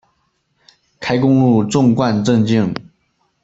开公路纵贯镇境。